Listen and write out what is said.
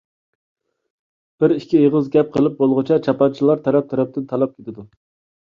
بىر-ئىككى ئېغىز گەپ قىلىپ بولغۇچە چاپانچىلار تەرەپ-تەرەپتىن تالاپ كېتىدۇ.